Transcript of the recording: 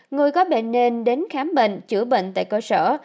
người có bệnh nên đến khám bệnh chữa bệnh tại cơ sở